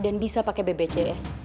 dan bisa pake bbjs